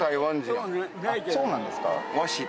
あっそうなんですか。